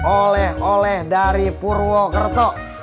oleh oleh dari purwokerto